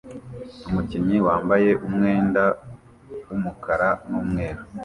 Umukinnyi wambaye umwenda wumukara numweru